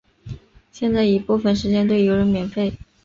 现在已部分时间对游人免费。